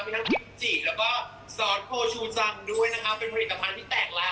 มีทั้งกิมจิแล้วก็ซอสโพชูจันทร์ด้วยนะคะเป็นผลิตภัณฑ์ที่แตกแล้ว